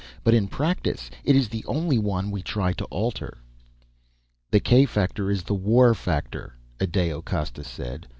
But in practice it is the only one we try to alter." "The k factor is the war factor," Adao Costa said.